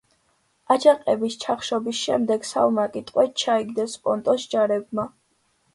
აჯანყების ჩახშობის შემდეგ სავმაკი ტყვედ ჩაიგდეს პონტოს ჯარებმა.